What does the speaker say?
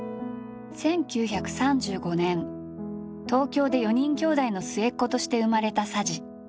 １９３５年東京で４人きょうだいの末っ子として生まれた佐治。